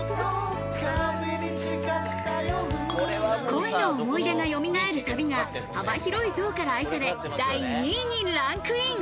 恋の思い出がよみがえるサビが幅広い層から愛され、第２位にランクイン。